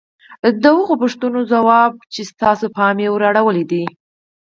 د هغو پوښتنو ځواب چې ستاسې پام يې ور اړولی دی.